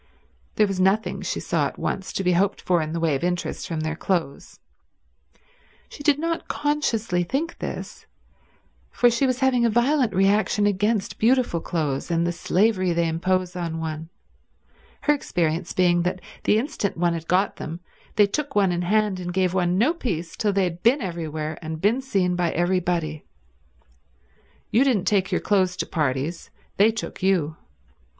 There was nothing, she saw at once to be hoped for in the way of interest from their clothes. She did not consciously think this, for she was having a violent reaction against beautiful clothes and the slavery they impose on one, her experience being that the instant one had got them they took one in hand and gave one no peace till they had been everywhere and been seen by everybody. You didn't take your clothes to parties; they took you.